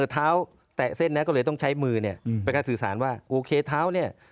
เท้าแตะเส้นนะก็เลยต้องใช้มือเนี่ยเป็นการสื่อสารว่าโอเคเท้าเนี่ย